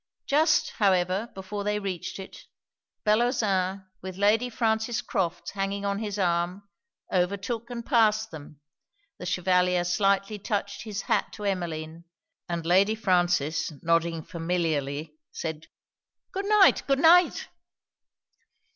Just, however, before they reached it, Bellozane, with Lady Frances Crofts hanging on his arm, overtook and passed them: the Chevalier slightly touched his hat to Emmeline; and Lady Frances, nodding familiarly, said 'Good night! good night!'